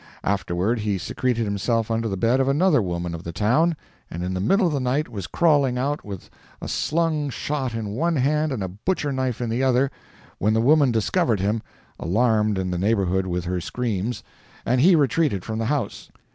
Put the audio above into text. Afterward he secreted himself under the bed of another woman of the town, and in the middle of the night was crawling out with a slung shot in one hand and a butcher knife in the other, when the woman discovered him, alarmed the neighborhood with her screams, and he retreated from the house.